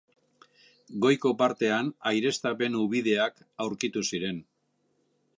Goiko partean aireztapen ubideak aurkitu ziren.